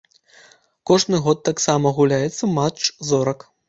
Кожны год таксама гуляецца матч зорак.